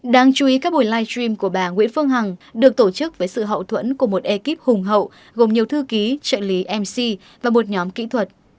đáng chú ý các buổi live stream của bà nguyễn phương hằng được tổ chức với sự hậu thuẫn của một ekip hùng hậu gồm nhiều thư ký trợ lý mc và một nhóm kỹ thuật